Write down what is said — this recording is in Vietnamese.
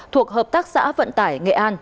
thuộc hợp tác xã vận tải nghệ an